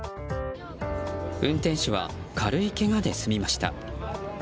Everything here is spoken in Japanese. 運転手は軽いけがで済みました。